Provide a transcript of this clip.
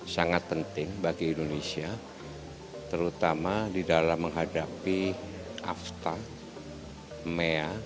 sangat penting bagi indonesia terutama di dalam menghadapi afta mea